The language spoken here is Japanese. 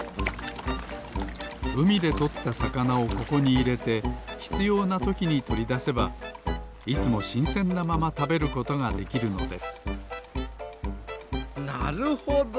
うみでとったさかなをここにいれてひつようなときにとりだせばいつもしんせんなままたべることができるのですなるほど。